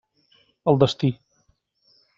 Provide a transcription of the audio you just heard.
El destí.